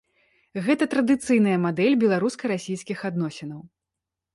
Гэта традыцыйная мадэль беларуска-расійскіх адносінаў.